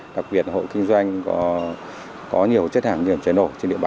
đặc biệt hộ kinh doanh có nhiều chất hàng nghiền cháy nổ trên địa bàn